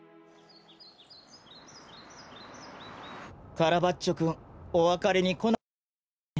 カラバッチョくんおわかれにこなかったですね。